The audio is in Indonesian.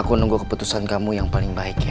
aku nunggu keputusan kamu yang paling baik